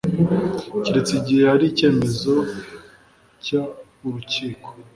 keretse igihe hari icyemezo cy urukiko